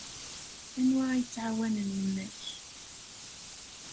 Anwa ay yettɛawanen yemma-k?